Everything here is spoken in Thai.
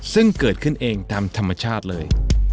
ซึ่งเกิดขึ้นเองตามธรรมชาติเลย